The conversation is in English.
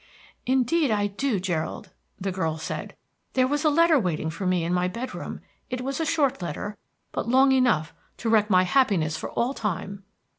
"Indeed, I do, Gerald," the girl said. "There was a letter waiting for me in my bedroom. It was a short letter, but long enough to wreck my happiness for all time."